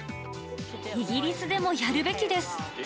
イギリスでもやるべきです。